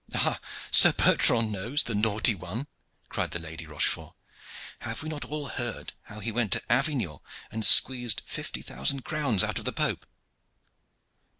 "Ah, Sir Bertrand knows, the naughty one!" cried the Lady Rochefort. "Have we not all heard how he went to Avignon and squeezed fifty thousand crowns out of the Pope."